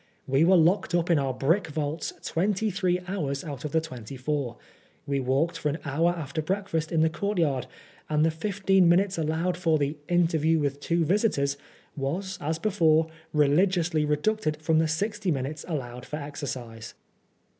We were locked up in our brick vaults twenty three hours out of the twenty four ; we walked for an hour after breakfast in the courtyard ; and the fifteen minutes allowed for the " interview with two visitors " was, as before, religiously deducted from the sixty minutes allowed for "exercise."